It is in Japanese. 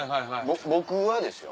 僕はですよ